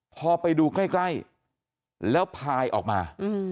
พอไปดูใกล้แล้วพายออกมา